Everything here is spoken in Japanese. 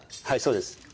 はいそうです。